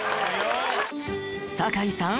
酒井さん